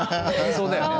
そうだよね。